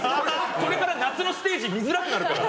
これから夏のステージ見づらくなるから。